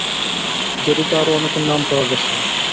জড়িত আরও অনেকের নাম পাওয়া গেছে।